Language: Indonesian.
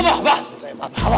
kamu mau tau saya siapa sebenarnya